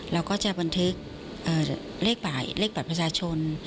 เราก็จะบันทึกเลขบัตรประชาชน